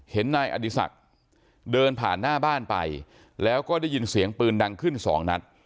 นายอดีศักดิ์เดินผ่านหน้าบ้านไปแล้วก็ได้ยินเสียงปืนดังขึ้นสองนัด